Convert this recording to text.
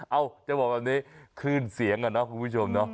เอ้าจะบอกแบบนี้คลื่นเสียงก่อนนะคุณผู้ชม